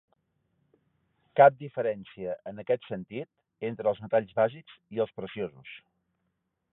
Cap diferència en aquest sentit entre els metalls bàsics i els preciosos.